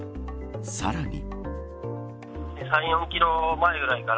さらに。